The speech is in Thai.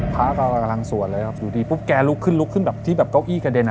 ภาพเรากำลังสวดเลยครับอยู่ดีปุ๊บแกลุกขึ้นแบบที่เก้าอี้กระเด็น